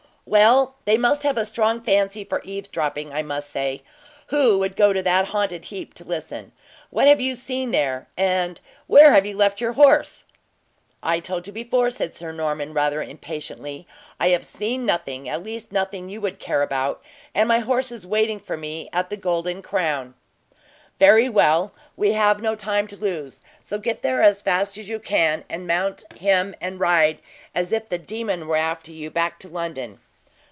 "Well, they must have a strong fancy for eavesdropping, I must say, who world go to that haunted heap to listen. What have you seen there, and where have you left your horse?" "I told you before," said Sir Norman, rather impatiently, "that I have seen nothing at least, nothing you would care about; and my horse is waiting me at the Golden Crown." "Very well, we have no time to lose; so get there as fast as you can, and mount him and ride as if the demon were after you back to London."